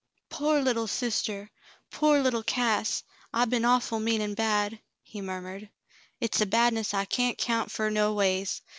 "Pore little sister — pore little Cass! I been awful mean an' bad," he murmured. "Hit's a badness I cyan't 'count fer no ways.